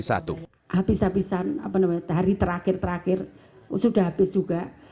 habis habisan hari terakhir terakhir sudah habis juga